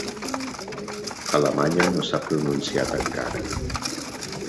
Alemanya no s’ha pronunciat encara.